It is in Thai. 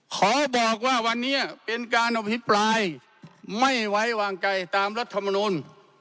ขอบอกว่าวันนี้เป็นการอภิปรายไม่ไว้วางใจตามรัฐมนุน